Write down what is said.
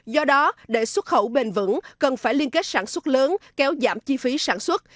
do đó để xuất khẩu bền vững cần phải liên kết sản xuất lớn kéo giảm chi phí sản xuất